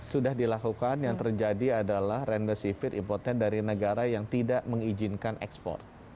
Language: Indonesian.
sudah dilakukan yang terjadi adalah remdesivir importnya dari negara yang tidak mengizinkan ekspor